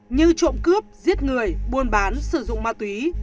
như trộm cướp giết người buôn bán sử dụng ma túy